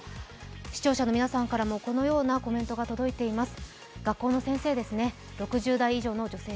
視聴者の皆さんからもこのようなコメントが届いています。